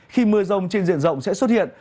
khi mưa rông trên diện rộng sẽ xuất hiện